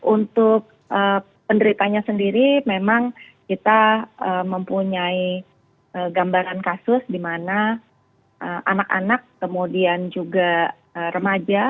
untuk penderitanya sendiri memang kita mempunyai gambaran kasus di mana anak anak kemudian juga remaja